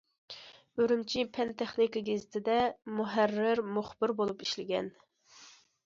‹‹ ئۈرۈمچى پەن- تېخنىكا گېزىتى›› دە مۇھەررىر، مۇخبىر بولۇپ ئىشلىگەن.